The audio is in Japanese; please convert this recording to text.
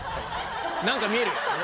何か見える。